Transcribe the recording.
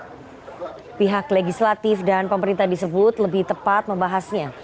karena pihak legislatif dan pemerintah disebut lebih tepat membahasnya